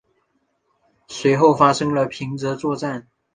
随后发生了平津作战。